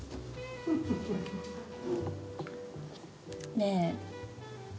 ねえ？